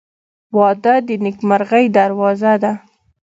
• واده د نیکمرغۍ دروازه ده.